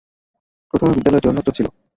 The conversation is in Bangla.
প্রথমে বিদ্যালয়টি অন্যত্র ছিল।